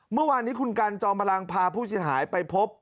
เมื่อวานนี้คุณกันจอมพลังพาผู้เสียหายไปพบ